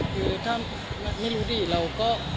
อยู่ด้วยไปไม่รู้สิเราผมก็